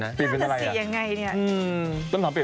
กาฎประสิทธิ์อย่างไร